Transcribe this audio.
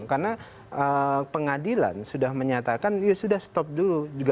karena pengadilan sudah menyatakan ya sudah stop dulu